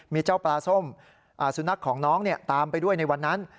มีเจ้าปลาส้มสุนัขของน้องตามไปด้วยในวันนั้น